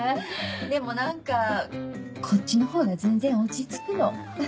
でも何かこっちのほうが全然落ち着くの。